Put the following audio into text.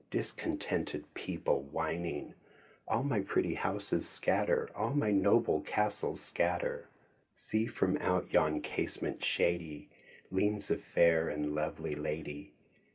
Discontented people whining, All mj pretty houses scatter, All my noUe castles scatter. :See from out yon casement shady. Leans a fair and lovely lady.